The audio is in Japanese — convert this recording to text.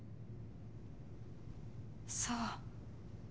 そう。